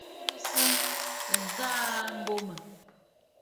À kɨ sɨ bùrə̀sə̀ aà ŋ̀ŋèə mbô mi.